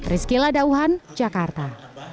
rizky ladauhan jakarta